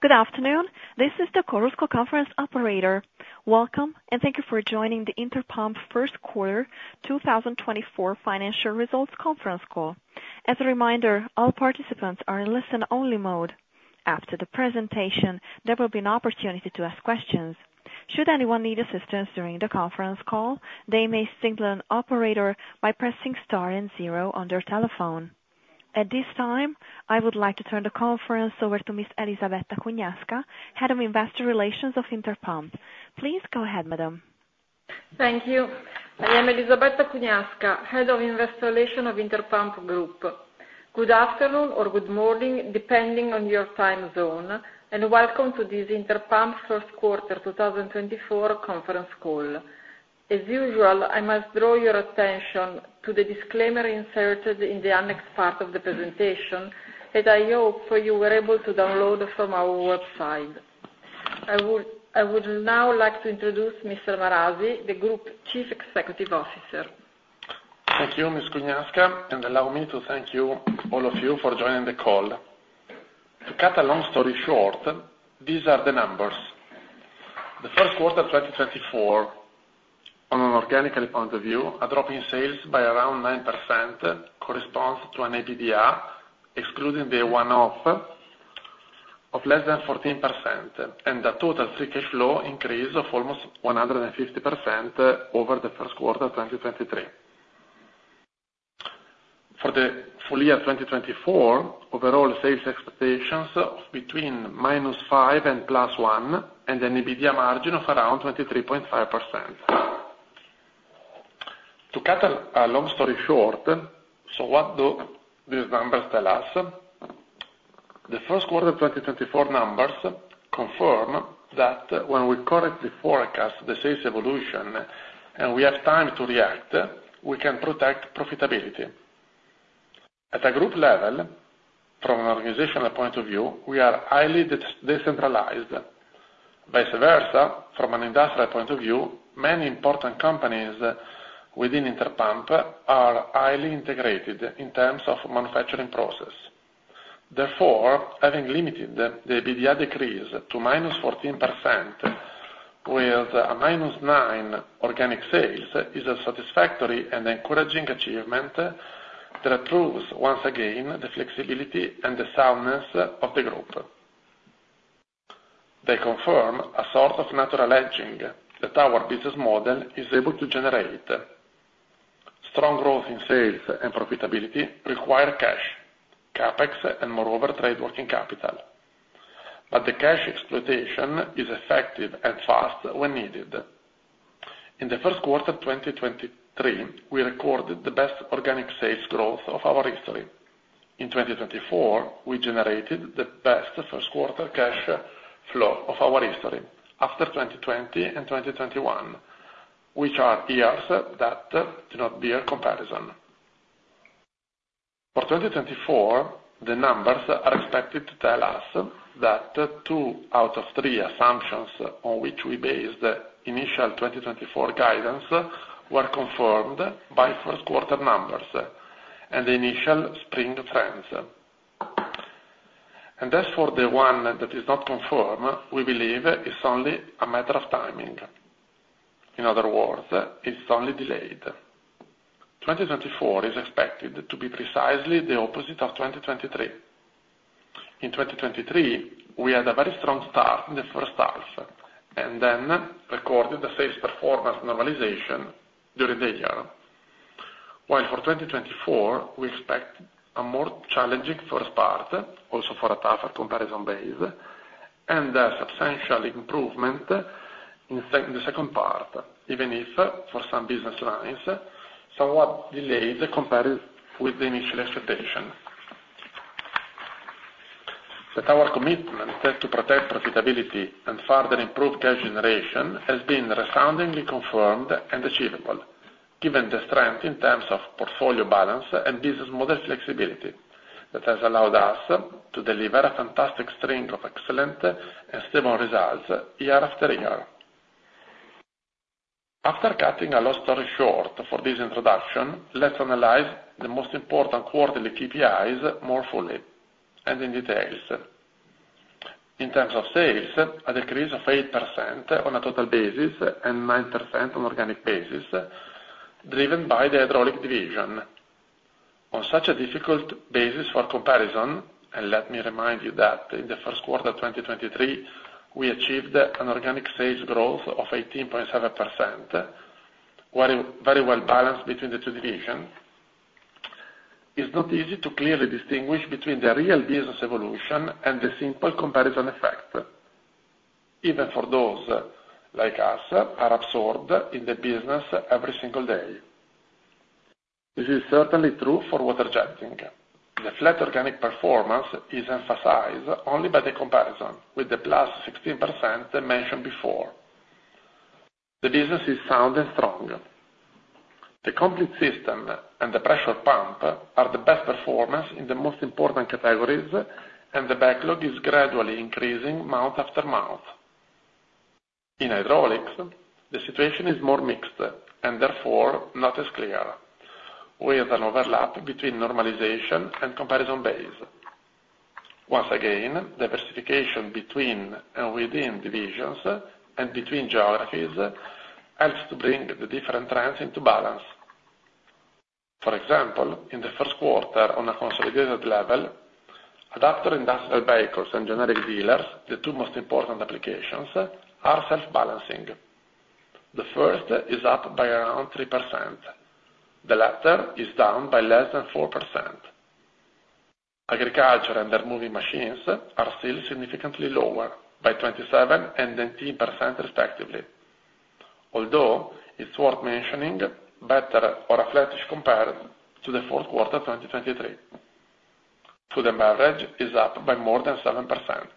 Good afternoon. This is the Chorus Call conference operator. Welcome, and thank you for joining the Interpump first quarter 2024 financial results conference call. As a reminder, all participants are in listen-only mode. After the presentation, there will be an opportunity to ask questions. Should anyone need assistance during the conference call, they may signal an operator by pressing star and zero on their telephone. At this time, I would like to turn the conference over to Ms. Elisabetta Cugnasca, Head of Investor Relations of Interpump. Please go ahead, madam. Thank you. I am Elisabetta Cugnasca, Head of Investor Relations of Interpump Group. Good afternoon or good morning, depending on your time zone, and welcome to this Interpump first quarter 2024 conference call. As usual, I must draw your attention to the disclaimer inserted in the annex part of the presentation, and I hope you were able to download from our website. I would now like to introduce Mr. Marasi, the Group Chief Executive Officer. Thank you, Ms. Cugnasca, and allow me to thank you, all of you, for joining the call. To cut a long story short, these are the numbers. The first quarter 2024, from an organic point of view, a drop in sales by around 9% corresponds to an EBITDA, excluding the one-off of less than 14%, and a total free cash flow increase of almost 150% over the first quarter 2023. For the full year 2024, overall sales expectations of between -5% and +1%, and an EBITDA margin of around 23.5%. To cut a, a long story short, so what do these numbers tell us? The first quarter 2024 numbers confirm that when we correctly forecast the sales evolution and we have time to react, we can protect profitability. At a group level, from an organizational point of view, we are highly decentralized. Vice versa, from an industrial point of view, many important companies within Interpump are highly integrated in terms of manufacturing process. Therefore, having limited the EBITDA decrease to -14% with a -9% organic sales, is a satisfactory and encouraging achievement that proves once again, the flexibility and the soundness of the group. They confirm a sort of natural hedging that our business model is able to generate. Strong growth in sales and profitability require cash, CapEx, and moreover, trade working capital. But the cash exploitation is effective and fast when needed. In the first quarter of 2023, we recorded the best organic sales growth of our history. In 2024, we generated the best first quarter cash flow of our history, after 2020 and 2021, which are years that do not bear comparison. For 2024, the numbers are expected to tell us that two out of three assumptions on which we based the initial 2024 guidance were confirmed by first quarter numbers and the initial spring trends. As for the one that is not confirmed, we believe it's only a matter of timing. In other words, it's only delayed. 2024 is expected to be precisely the opposite of 2023. In 2023, we had a very strong start in the first half, and then recorded the sales performance normalization during the year. While for 2024, we expect a more challenging first part, also for a tougher comparison base, and a substantial improvement in the second part, even if for some business lines, somewhat delayed compared with the initial expectation. That our commitment is to protect profitability and further improve cash generation has been resoundingly confirmed and achievable, given the strength in terms of portfolio balance and business model flexibility, that has allowed us to deliver a fantastic string of excellent and stable results year after year. After cutting a long story short for this introduction, let's analyze the most important quarterly KPIs more fully and in detail. In terms of sales, a decrease of 8% on a total basis and 9% on organic basis, driven by the Hydraulic division. On such a difficult basis for comparison, and let me remind you that in the first quarter of 2023, we achieved an organic sales growth of 18.7%, very, very well balanced between the two divisions. It's not easy to clearly distinguish between the real business evolution and the simple comparison effect, even for those, like us, are absorbed in the business every single day. This is certainly true for Water Jetting. The flat organic performance is emphasized only by the comparison with the +16% mentioned before. The business is sound and strong. The complete system and the pressure pump are the best performance in the most important categories, and the backlog is gradually increasing month after month. In Hydraulics, the situation is more mixed, and therefore, not as clear, with an overlap between normalization and comparison base. Once again, diversification between and within divisions and between geographies helps to bring the different trends into balance. For example, in the first quarter on a consolidated level, Adaptors Industrial Vehicles and Generic Dealers, the two most important applications, are self-balancing. The first is up by around 3%. The latter is down by less than 4%. Agriculture and Earth-moving Machines are still significantly lower by 27% and then 3% respectively. Although, it's worth mentioning better or a flatish compared to the fourth quarter, 2023. Food & Beverage is up by more than 7%.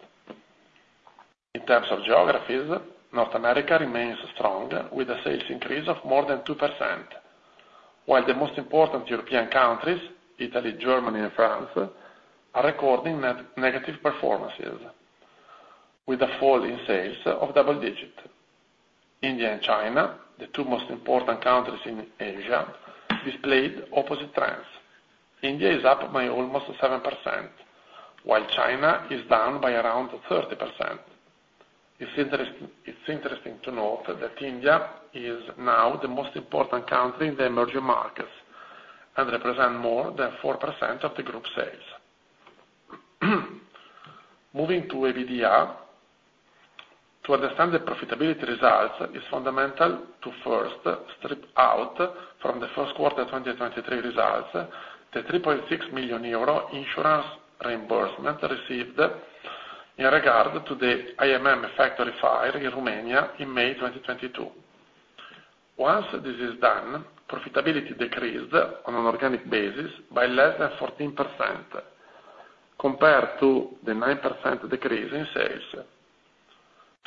In terms of geographies, North America remains strong, with a sales increase of more than 2%, while the most important European countries, Italy, Germany, and France, are recording negative performances with a fall in sales of double-digit. India and China, the two most important countries in Asia, displayed opposite trends. India is up by almost 7%, while China is down by around 30%. It's interesting to note that India is now the most important country in the emerging markets, and represent more than 4% of the group sales. Moving to EBITDA, to understand the profitability results, it's fundamental to first strip out from the first quarter 2023 results, the 3.6 million euro insurance reimbursement received in regard to the IMM factory fire in Romania in May 2022. Once this is done, profitability decreased on an organic basis by less than 14% compared to the 9% decrease in sales.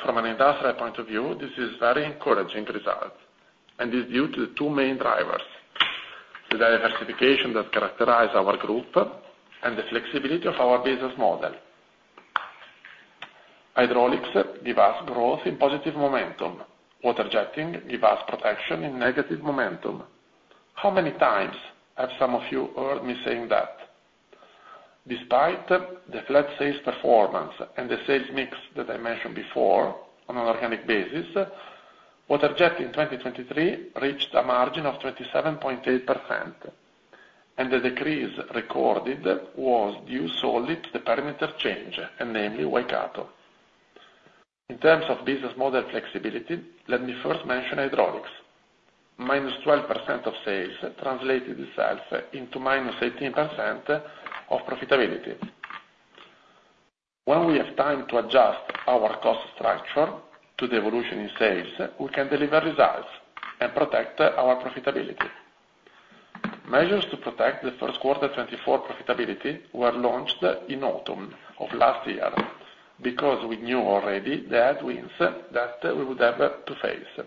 From an industrial point of view, this is very encouraging result, and is due to the two main drivers: the diversification that characterize our group and the flexibility of our business model. Hydraulics give us growth in positive momentum. Water Jetting give us protection in negative momentum. How many times have some of you heard me saying that? Despite the flat sales performance and the sales mix that I mentioned before on an organic basis, Water Jetting in 2023 reached a margin of 27.8%, and the decrease recorded was due solely to the parimeter change, and namely, White Drive. In terms of business model flexibility, let me first mention Hydraulics. -12% of sales translated itself into -18% of profitability. When we have time to adjust our cost structure to the evolution in sales, we can deliver results and protect our profitability. Measures to protect the first quarter 2024 profitability were launched in autumn of last year because we knew already the headwinds that we would have to face.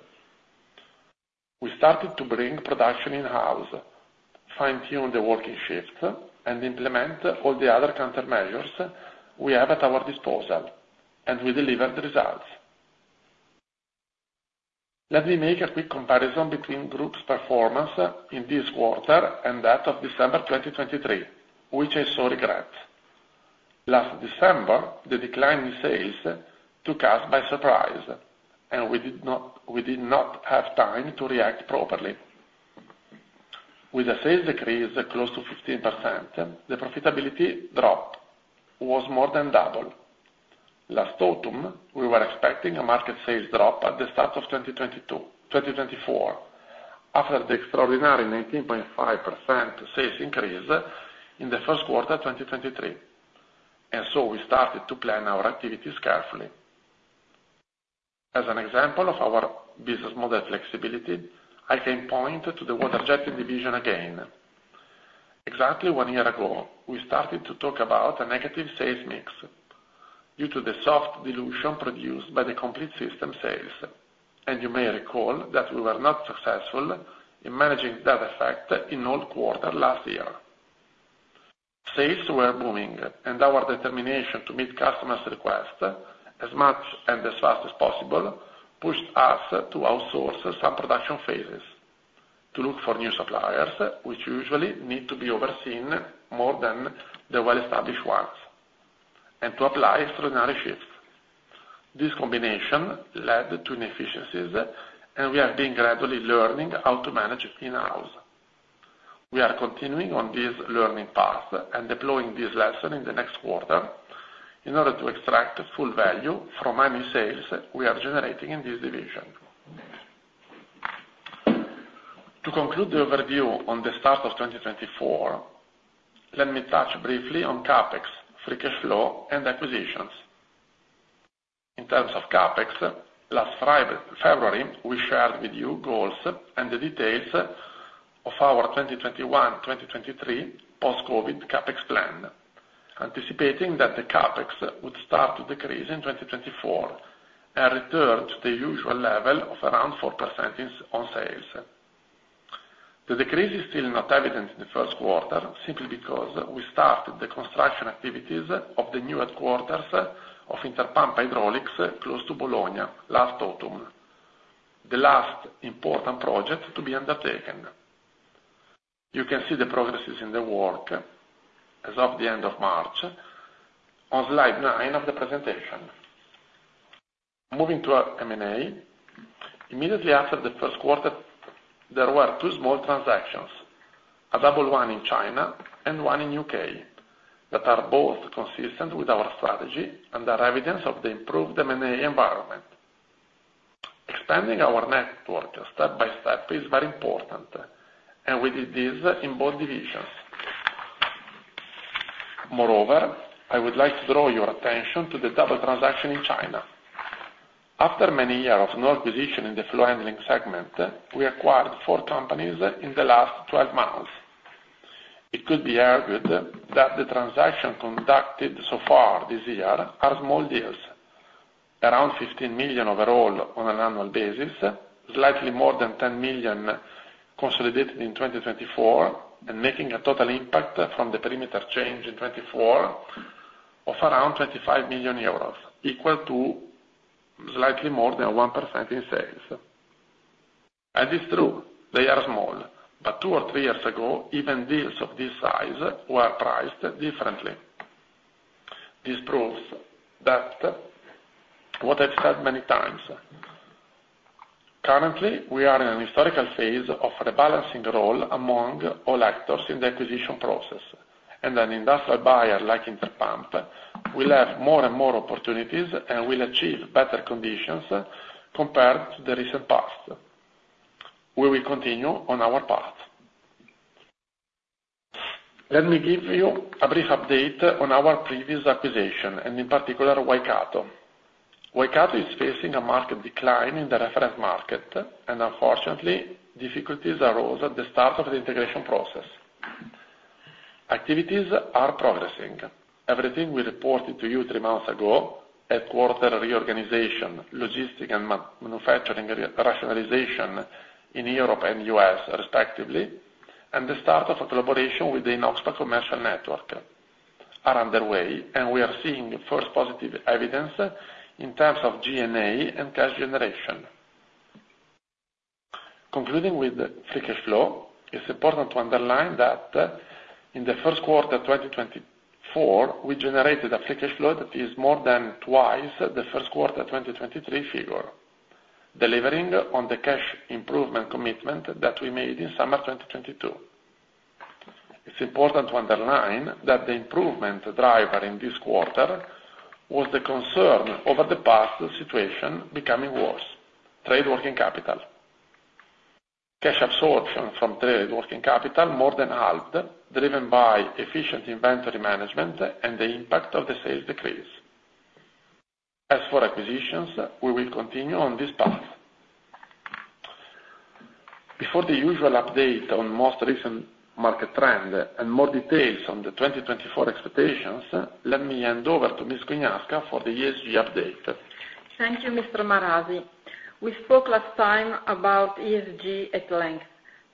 We started to bring production in-house, fine-tune the working shifts, and implement all the other countermeasures we have at our disposal, and we delivered the results. Let me make a quick comparison between group's performance in this quarter and that of December 2023, which I so regret. Last December, the decline in sales took us by surprise, and we did not, we did not have time to react properly. With a sales decrease close to 15%, the profitability drop was more than double. Last autumn, we were expecting a market sales drop at the start of 2024, after the extraordinary 19.5% sales increase in the first quarter 2023, and so we started to plan our activities carefully. As an example of our business model flexibility, I can point to the Water Jetting division again. Exactly one year ago, we started to talk about a negative sales mix due to the soft dilution produced by the complete system sales, and you may recall that we were not successful in managing that effect in all quarter last year. Sales were booming, and our determination to meet customers' request as much and as fast as possible, pushed us to outsource some production phases to look for new suppliers, which usually need to be overseen more than the well-established ones, and to apply extraordinary shifts. This combination led to inefficiencies, and we have been gradually learning how to manage in-house. We are continuing on this learning path and deploying this lesson in the next quarter in order to extract full value from any sales we are generating in this division. To conclude the overview on the start of 2024, let me touch briefly on CapEx, free cash flow, and acquisitions. In terms of CapEx, last February, we shared with you goals and the details of our 2021, 2023 post-Covid CapEx plan, anticipating that the CapEx would start to decrease in 2024 and return to the usual level of around 4% of sales. The decrease is still not evident in the first quarter, simply because we started the construction activities of the new headquarters of Interpump Hydraulics, close to Bologna, last autumn, the last important project to be undertaken. You can see the progress in the work as of the end of March on slide nine of the presentation. Moving to our M&A, immediately after the first quarter, there were two small transactions: a double one in China and one in U.K., that are both consistent with our strategy and are evidence of the improved M&A environment. Expanding our network step by step is very important, and we did this in both divisions. Moreover, I would like to draw your attention to the double transaction in China. After many years of no acquisition in the Flow Handling segment, we acquired four companies in the last 12 months. It could be argued that the transactions conducted so far this year are small deals, around 15 million overall on an annual basis, slightly more than 10 million consolidated in 2024, and making a total impact from the perimeter change in 2024 of around 25 million euros, equal to slightly more than 1% in sales. It's true, they are small, but two or three years ago, even deals of this size were priced differently. This proves that what I've said many times, currently, we are in an historical phase of rebalancing role among all actors in the acquisition process, and an industrial buyer like Interpump will have more and more opportunities and will achieve better conditions compared to the recent past. We will continue on our path. Let me give you a brief update on our previous acquisition, and in particular, Waikato. Waikato is facing a market decline in the reference market, and unfortunately, difficulties arose at the start of the integration process. Activities are progressing. Everything we reported to you three months ago, headquarters reorganization, logistics and manufacturing rationalization in Europe and U.S., respectively, and the start of a collaboration with the INOXPA commercial network are underway, and we are seeing first positive evidence in terms of G&A and cash generation. Concluding with the free cash flow, it's important to underline that, in the first quarter 2024, we generated a free cash flow that is more than twice the first quarter 2023 figure, delivering on the cash improvement commitment that we made in summer 2022. It's important to underline that the improvement driver in this quarter was the concern over the past, the situation becoming worse: trade working capital. Cash absorption from trade working capital more than halved, driven by efficient inventory management and the impact of the sales decrease. As for acquisitions, we will continue on this path. Before the usual update on most recent market trend and more details on the 2024 expectations, let me hand over to Ms. Cugnasca for the ESG update. Thank you, Mr. Marasi. We spoke last time about ESG at length.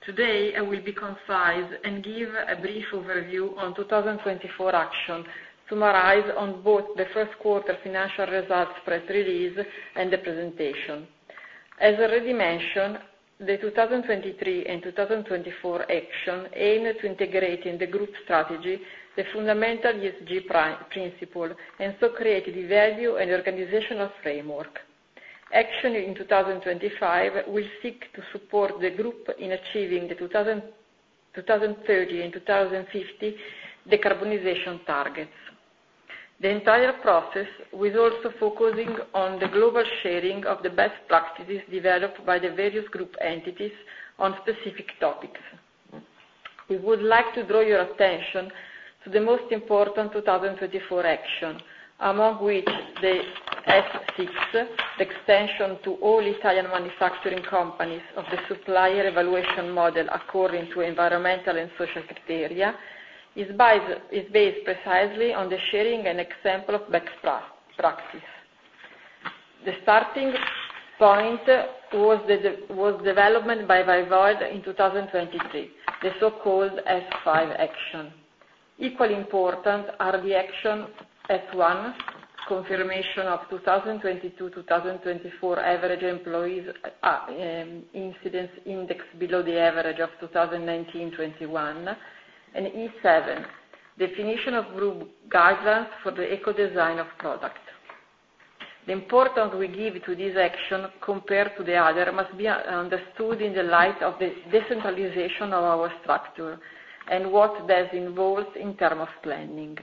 Today, I will be concise and give a brief overview on 2024 action, summarize on both the first quarter financial results, press release and the presentation. As already mentioned, the 2023 and 2024 action aimed to integrate in the group strategy the fundamental ESG principle, and so created the value and organizational framework. Action in 2025 will seek to support the group in achieving the, 2030 and 2050 decarbonization targets. The entire process is also focusing on the global sharing of the best practices developed by the various group entities on specific topics. We would like to draw your attention to the most important 2024 action, among which the S6, extension to all Italian manufacturing companies of the supplier evaluation model according to environmental and social criteria, is based precisely on the sharing and example of best practice. The starting point was the development by Walvoil in 2023, the so-called S5 action. Equally important are the action S1, confirmation of 2022 to 2024 average employees incidence index below the average of 2019, 2021, and E7, definition of group guidelines for the eco-design of product. The importance we give to this action compared to the other must be understood in the light of the decentralization of our structure and what this involves in terms of planning.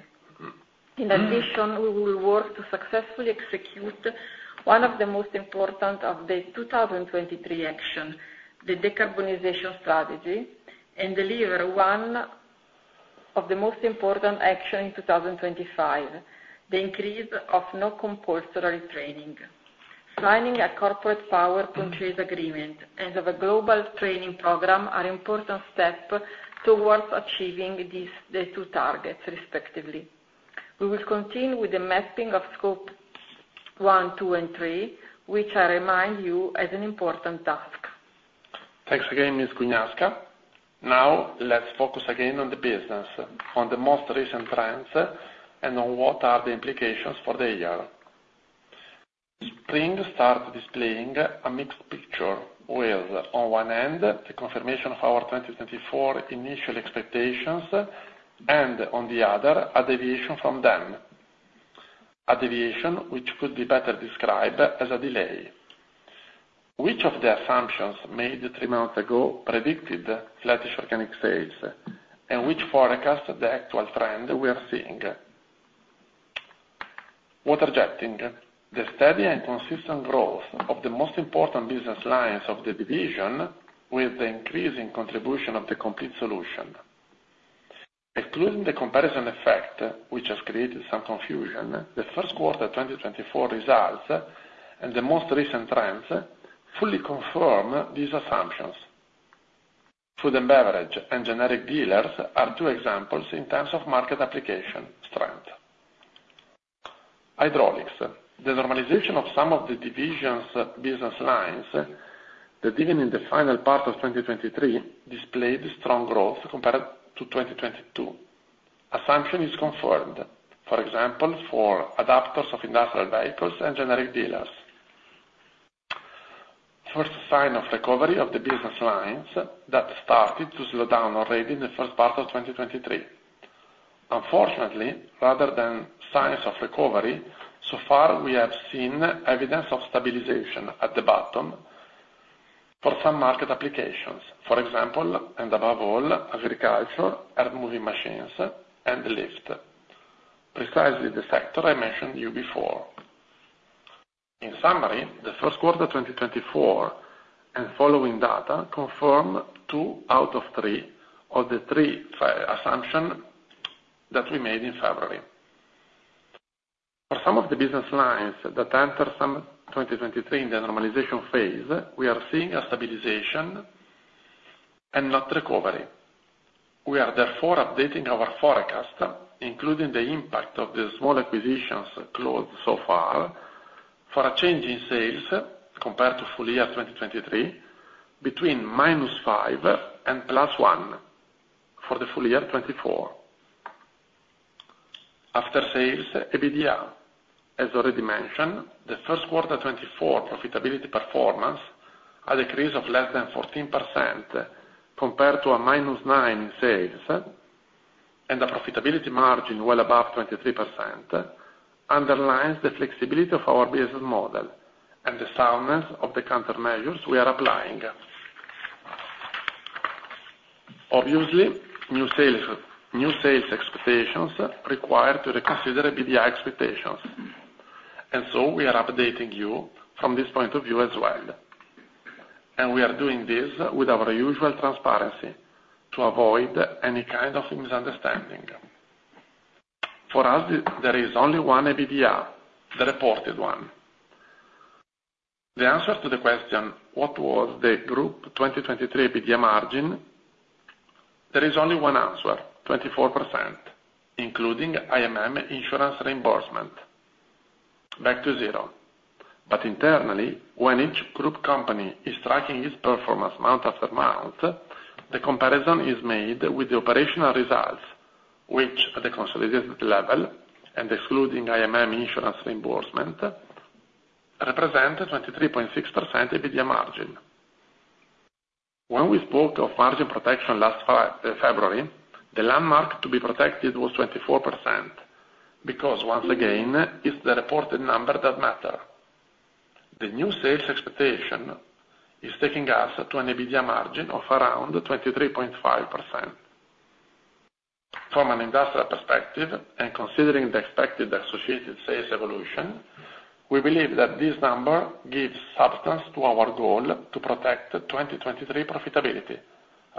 In addition, we will work to successfully execute one of the most important of the 2023 action, the decarbonization strategy, and deliver one of the most important action in 2025, the increase of non-compulsory training. Signing a corporate power purchase agreement and of a global training program are important step towards achieving these, the two targets, respectively. We will continue with the mapping of Scope 1, 2, and 3, which I remind you is an important task. Thanks again, Ms. Cugnasca. Now, let's focus again on the business, on the most recent trends, and on what are the implications for the year. Spring start displaying a mixed picture, with, on one end, the confirmation of our 2024 initial expectations, and on the other, a deviation from them. A deviation which could be better described as a delay. Which of the assumptions made three months ago predicted flattish organic sales, and which forecast the actual trend we are seeing? Water Jetting. The steady and consistent growth of the most important business lines of the division, with the increasing contribution of the complete solution. Excluding the comparison effect, which has created some confusion, the first quarter 2024 results and the most recent trends fully confirm these assumptions. Food & Beverage and Generic Dealers are two examples in terms of market application strength. Hydraulics: the normalization of some of the division's business lines, that even in the final part of 2023, displayed strong growth compared to 2022. Assumption is confirmed, for example, for Adaptors Industrial Vehicles and Generic Dealers. First sign of recovery of the business lines that started to slow down already in the first part of 2023. Unfortunately, rather than signs of recovery, so far, we have seen evidence of stabilization at the bottom for some market applications. For example, and above all, Agriculture, Earth-moving Machines, and Lift. Precisely the sector I mentioned you before. In summary, the first quarter 2024 and following data confirm two out of three of the three assumptions that we made in February. For some of the business lines that entered some 2023 in the normalization phase, we are seeing a stabilization and not recovery. We are therefore updating our forecast, including the impact of the small acquisitions closed so far, for a change in sales compared to full year 2023, between -5% and +1% for the full year 2024. After sales, EBITDA. As already mentioned, the first quarter 2024 profitability performance, a decrease of less than 14% compared to a -9% in sales, and a profitability margin well above 23%, underlines the flexibility of our business model and the soundness of the countermeasures we are applying. Obviously, new sales, new sales expectations require to reconsider EBITDA expectations, and so we are updating you from this point of view as well. And we are doing this with our usual transparency to avoid any kind of misunderstanding. For us, there is only one EBITDA, the reported one. The answer to the question: what was the group 2023 EBITDA margin? There is only one answer, 24%, including IMM insurance reimbursement. Back to zero. But internally, when each group company is tracking its performance month after month, the comparison is made with the operational results, which at the consolidated level, and excluding IMM insurance reimbursement, represent a 23.6% EBITDA margin. When we spoke of margin protection last February, the landmark to be protected was 24%, because once again, it's the reported number that matter. The new sales expectation is taking us to an EBITDA margin of around 23.5%. From an industrial perspective, and considering the expected associated sales evolution, we believe that this number gives substance to our goal to protect the 2023 profitability,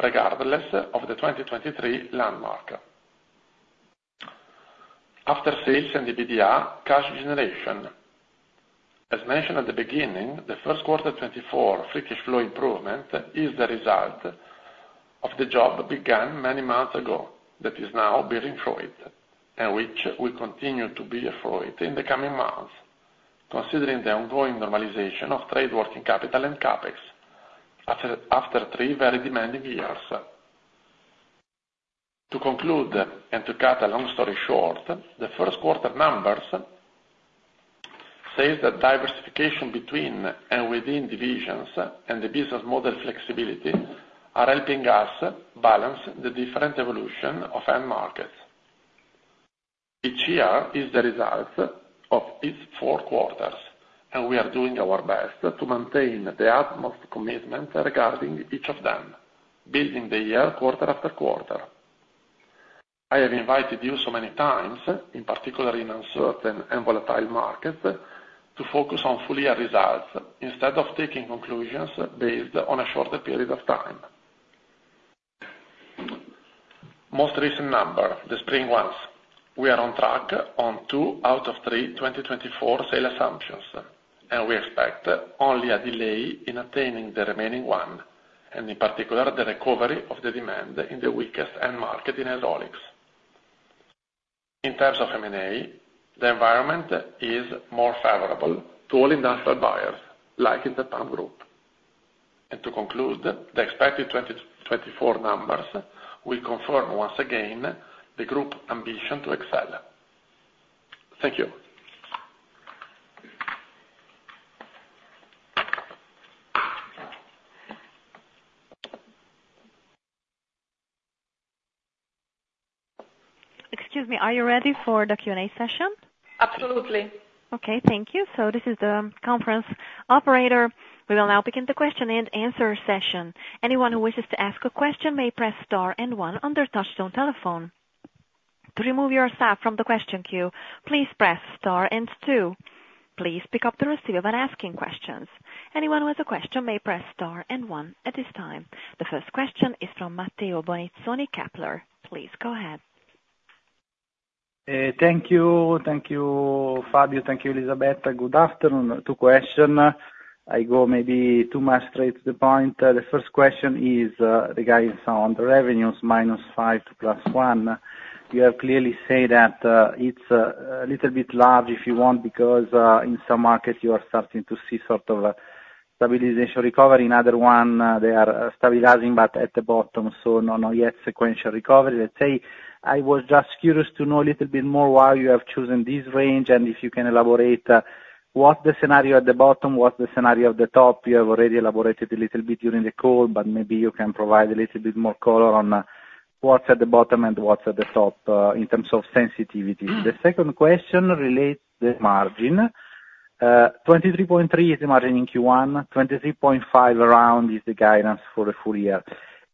regardless of the 2023 landmark. After sales and EBITDA, cash generation. As mentioned at the beginning, the first quarter 2024 free cash flow improvement is the result of the job began many months ago, that is now bearing fruit, and which will continue to bear fruit in the coming months, considering the ongoing normalization of trade working capital and CapEx after three very demanding years. To conclude, and to cut a long story short, the first quarter numbers says that diversification between and within divisions and the business model flexibility are helping us balance the different evolution of end markets. Each year is the result of its four quarters, and we are doing our best to maintain the utmost commitment regarding each of them, building the year quarter after quarter. I have invited you so many times, in particular in uncertain and volatile markets, to focus on full-year results instead of taking conclusions based on a shorter period of time. Most recent numbers, the spring ones. We are on track on two out of three 2024 sales assumptions, and we expect only a delay in attaining the remaining one, and in particular, the recovery of the demand in the weakest end market in Hydraulics. In terms of M&A, the environment is more favorable to all industrial buyers, like in the Interpump Group. To conclude, the expected 2024 numbers will confirm once again, the group ambition to excel. Thank you. Excuse me, are you ready for the Q&A session? Absolutely. Okay, thank you. So this is the conference operator. We will now begin the question and answer session. Anyone who wishes to ask a question may press star and one on their touchtone telephone. To remove yourself from the question queue, please press star and two. Please pick up to receive when asking questions. Anyone who has a question may press star and one at this time. The first question is from Matteo Bonizzoni, Kepler. Please go ahead. Thank you. Thank you, Fabio. Thank you, Elisabetta. Good afternoon. Two questions. I go maybe too much straight to the point. The first question is, regarding on the revenues, -5% to +1%. You have clearly said that, it's a little bit large, if you want, because, in some markets you are starting to see sort of a stabilization recovery. In other one, they are stabilizing, but at the bottom, so no, not yet sequential recovery, let's say. I was just curious to know a little bit more why you have chosen this range, and if you can elaborate, what's the scenario at the bottom? What's the scenario at the top? You have already elaborated a little bit during the call, but maybe you can provide a little bit more color on what's at the bottom and what's at the top in terms of sensitivity. The second question relates to the margin. 23.3% is the margin in Q1, 23.5% around is the guidance for the full year.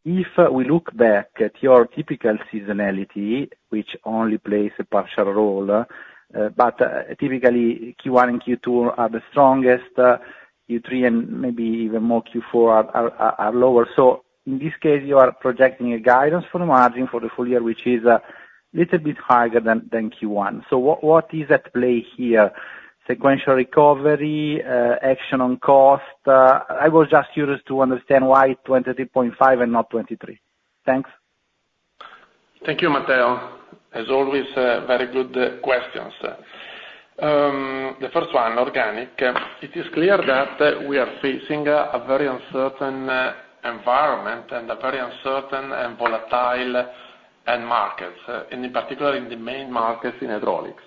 If we look back at your typical seasonality, which only plays a partial role, but typically Q1 and Q2 are the strongest, Q3 and maybe even more Q4 are lower. So in this case, you are projecting a guidance for the margin for the full year, which is a little bit higher than Q1. So what is at play here? Sequential recovery, action on cost? I was just curious to understand why 23.3% and not 23%. Thanks. Thank you, Matteo. As always, very good questions. The first one, organic. It is clear that we are facing a very uncertain environment and a very uncertain and volatile end markets, and in particular in the main markets in Hydraulics.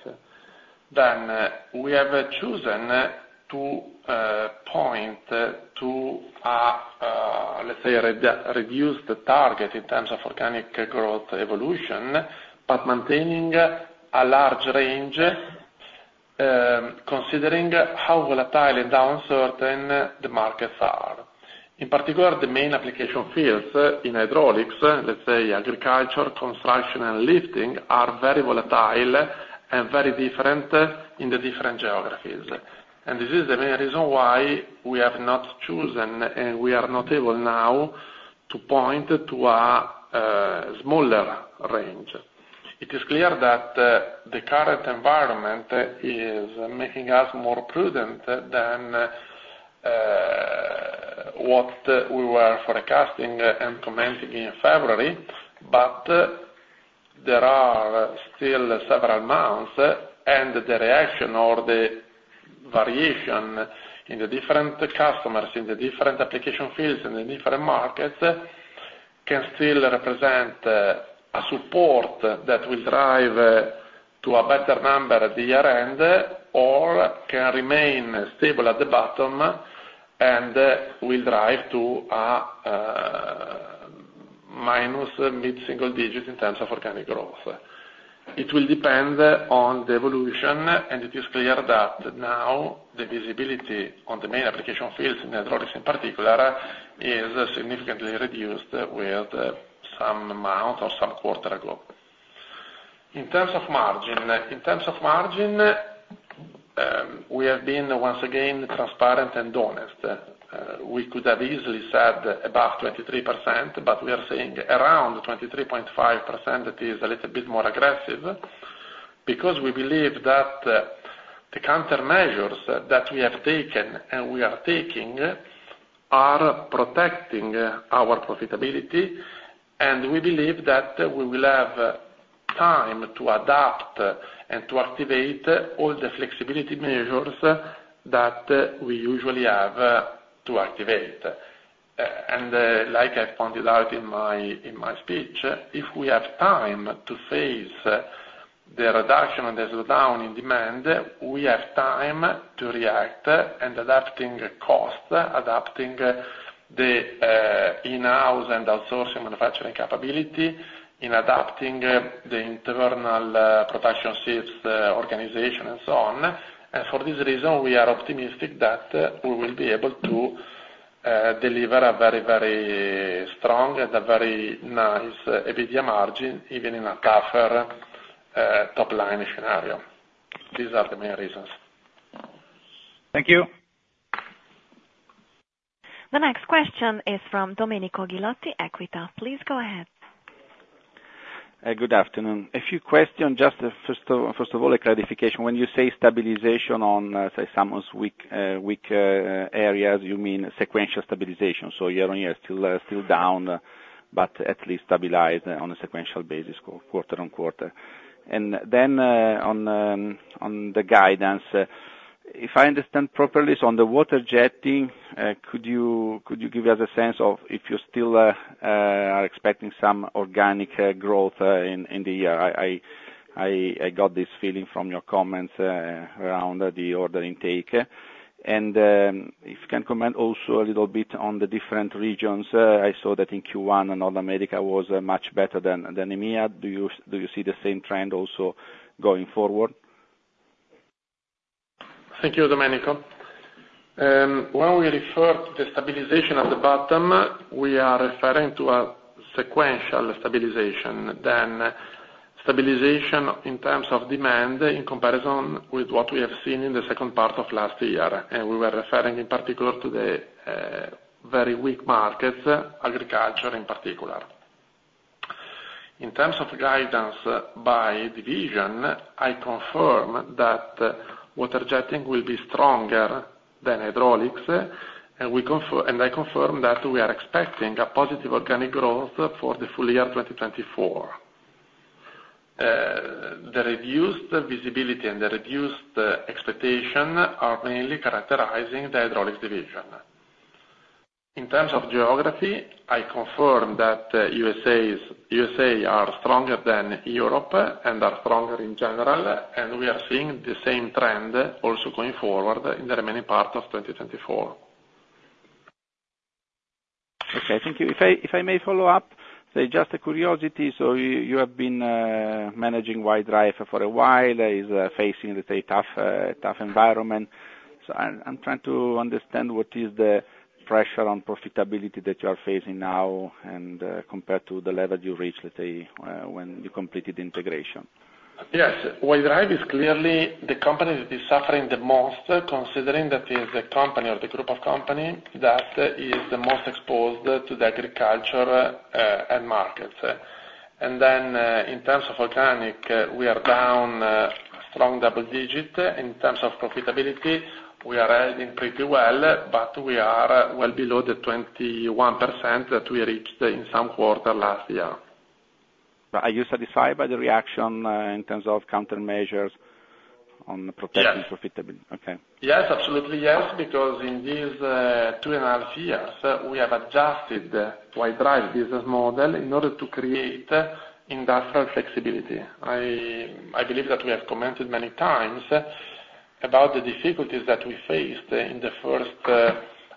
Then, we have chosen to point to a, let's say, a reduced target in terms of organic growth evolution, but maintaining a large range, considering how volatile and uncertain the markets are. In particular, the main application fields in Hydraulics, let's say Agriculture, Construction, and Lifting, are very volatile and very different in the different geographies. And this is the main reason why we have not chosen, and we are not able now, to point to a smaller range. It is clear that the current environment is making us more prudent than what we were forecasting and commenting in February, but there are still several months, and the reaction or the variation in the different customers, in the different application fields, in the different markets, can still represent a support that will drive to a better number at the year-end, or can remain stable at the bottom and will drive to a minus mid-single digits in terms of organic growth. It will depend on the evolution, and it is clear that now the visibility on the main application fields, in Hydraulics in particular, is significantly reduced with some amount or some quarter ago. In terms of margin, in terms of margin, we have been, once again, transparent and honest. We could have easily said about 23%, but we are saying around 23.5%, it is a little bit more aggressive, because we believe that the countermeasures that we have taken and we are taking are protecting our profitability, and we believe that we will have time to adapt and to activate all the flexibility measures that we usually have to activate. And like I pointed out in my speech, if we have time to face the reduction and the slowdown in demand, we have time to react and adapting costs, adapting the in-house and outsourcing manufacturing capability, in adapting the internal production shifts organization, and so on. For this reason, we are optimistic that we will be able to deliver a very, very strong and a very nice EBITDA margin, even in a tougher top-line scenario. These are the main reasons. Thank you. The next question is from Domenico Ghilotti, EQUITA. Please go ahead. Good afternoon. A few questions, just, first of all, a clarification. When you say stabilization on, say, some of weak, weak, areas, you mean sequential stabilization, so year-on-year, still, still down, but at least stabilized on a sequential basis, quarter-on-quarter. And then, on, on the guidance. If I understand properly, so on the Water Jetting, could you, could you give us a sense of if you still, are expecting some organic, growth, in, in the year? I got this feeling from your comments, around the order intake. And, if you can comment also a little bit on the different regions. I saw that in Q1, North America was, much better than, EMEA. Do you, do you see the same trend also going forward? Thank you, Domenico. When we refer to the stabilization of the bottom, we are referring to a sequential stabilization, then stabilization in terms of demand in comparison with what we have seen in the second part of last year, and we were referring in particular to the very weak markets, Agriculture in particular. In terms of guidance by division, I confirm that Water Jetting will be stronger than Hydraulics, and I confirm that we are expecting a positive organic growth for the full year 2024. The reduced visibility and the reduced expectation are mainly characterizing the Hydraulics division. In terms of geography, I confirm that USA is stronger than Europe, and is stronger in general, and we are seeing the same trend also going forward in the remaining part of 2024. Okay, thank you. If I, if I may follow up, so just a curiosity, so you, you have been managing White Drive for a while, is facing, let's say, tough, tough environment. So I'm, I'm trying to understand what is the pressure on profitability that you are facing now and, compared to the level you reached, let's say, when you completed the integration. Yes. White Drive is clearly the company that is suffering the most, considering that it's the company or the group of companies that is the most exposed to the agricultural end markets. Then, in terms of organic, we are down strong double digit. In terms of profitability, we are adding pretty well, but we are well below the 21% that we reached in some quarter last year. Are you satisfied by the reaction, in terms of countermeasures on protecting profitability? Yes. Okay. Yes, absolutely yes, because in these 2.5 years, we have adjusted the White Drive business model in order to create industrial flexibility. I, I believe that we have commented many times about the difficulties that we faced in the first,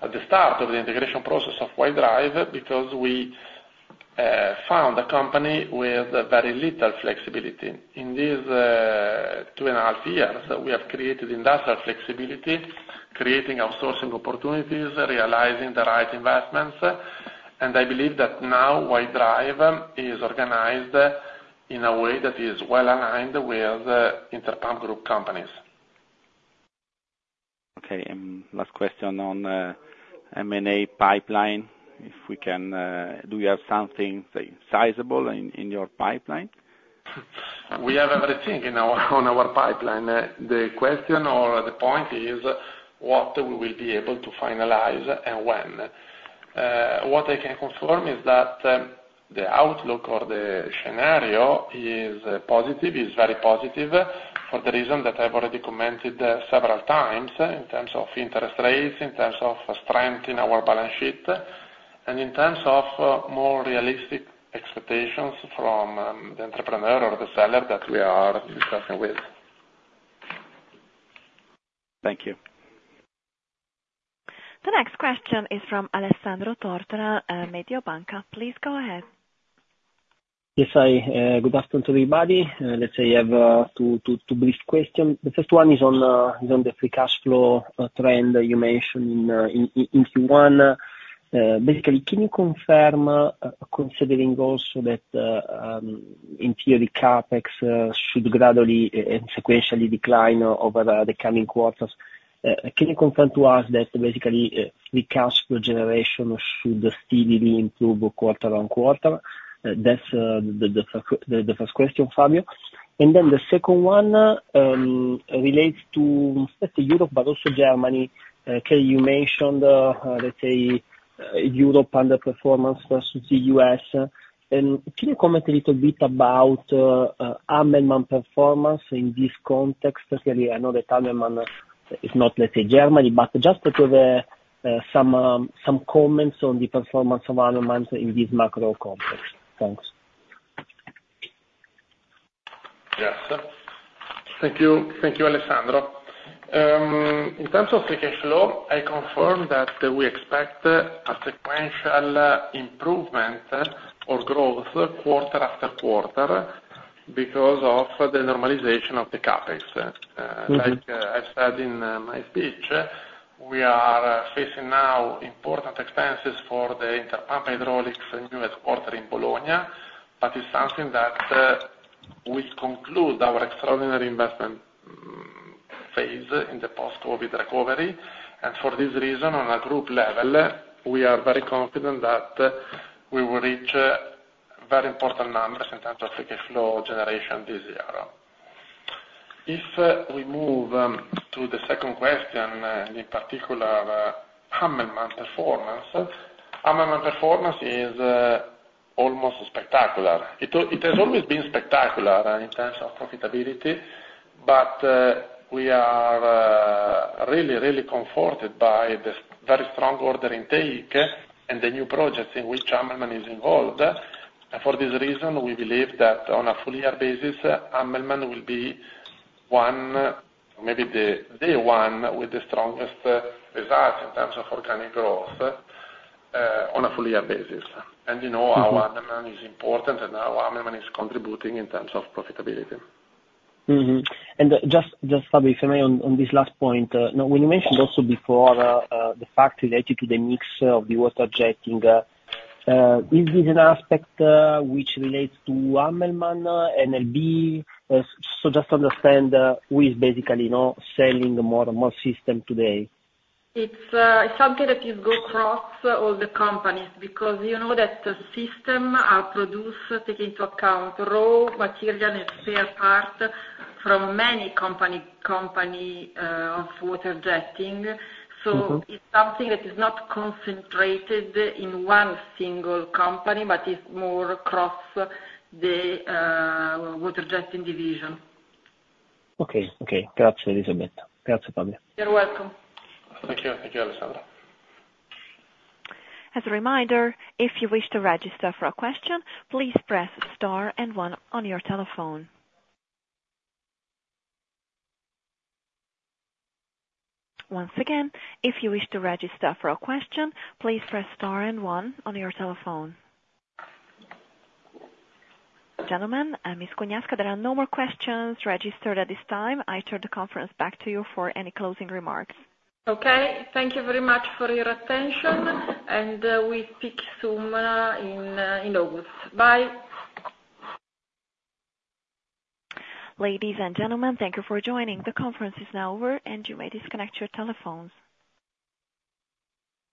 at the start of the integration process of White Drive, because we found a company with very little flexibility. In these two and a half years, we have created industrial flexibility, creating outsourcing opportunities, realizing the right investments, and I believe that now White Drive is organized in a way that is well aligned with Interpump Group companies. Okay, last question on M&A pipeline, if we can, do you have something, say, sizable in your pipeline? We have everything in our, on our pipeline. The question or the point is, what we will be able to finalize and when? What I can confirm is that, the outlook or the scenario is positive, is very positive, for the reason that I've already commented several times in terms of interest rates, in terms of strength in our balance sheet, and in terms of, more realistic expectations from, the entrepreneur or the seller that we are discussing with. Thank you. The next question is from Alessandro Tortora, Mediobanca. Please go ahead. Yes, I, good afternoon, everybody. Let's say I have two brief questions. The first one is on the free cash flow trend you mentioned in Q1. Basically, can you confirm, considering also that, in theory, CapEx should gradually and sequentially decline over the coming quarters? Can you confirm to us that basically, free cash flow generation should still improve quarter on quarter? That's the first question, Fabio. And then the second one relates to especially Europe, but also Germany. Can you mention the, let's say, Europe underperformance versus the U.S.? And can you comment a little bit about Hammelmann performance in this context? Especially, I know that Hammelmann is not, let's say, Germany, but just to give some comments on the performance of Hammelmann in this macro context. Thanks. Yes. Thank you. Thank you, Alessandro. In terms of free cash flow, I confirm that we expect a sequential improvement or growth quarter after quarter, because of the normalization of the CapEx. Mm-hmm. Like, I said in my speech, we are facing now important expenses for the Interpump Hydraulics new headquarters in Bologna, but it's something that will conclude our extraordinary investment phase in the post-COVID recovery. And for this reason, on a group level, we are very confident that we will reach very important numbers in terms of free cash flow generation this year. If we move to the second question, in particular, Hammelmann performance, Hammelmann performance is almost spectacular. It has always been spectacular in terms of profitability, but we are really, really comforted by the very strong order intake and the new projects in which Hammelmann is involved. For this reason, we believe that on a full year basis, Hammelmann will be one, maybe the, the one with the strongest results in terms of organic growth, on a full year basis. You know, our Hammelmann is important, and our Hammelmann is contributing in terms of profitability. Mm-hmm. And just probably if I may, on this last point, now, when you mentioned also before, the fact related to the mix of the Water Jetting, is this an aspect which relates to Hammelmann, NLB? So just understand, who is basically, you know, selling more systems today. It's something that goes across all the companies, because you know that the systems are produced, take into account raw materials and spare parts from many companies of Water Jetting. Mm-hmm. It's something that is not concentrated in one single company, but it's more across the Water Jetting division. Okay. Okay. Gotcha, Elisabetta. Gotcha, Fabio. You're welcome. Thank you. Thank you, Alessandro. As a reminder, if you wish to register for a question, please press star and one on your telephone. Once again, if you wish to register for a question, please press star and one on your telephone. Gentlemen and Ms. Cugnasca, there are no more questions registered at this time. I turn the conference back to you for any closing remarks. Okay. Thank you very much for your attention, and we speak soon in August. Bye. Ladies and gentlemen, thank you for joining. The conference is now over, and you may disconnect your telephones.